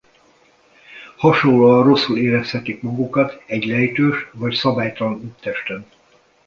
Hasonlóan rosszul érezhetik magukat egy lejtős vagy szabálytalan úttesten.